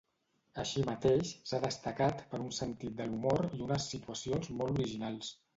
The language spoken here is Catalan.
Així mateix s'ha destacat per un sentit de l'humor i unes situacions molt originals.